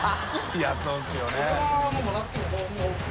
いやそうですよね。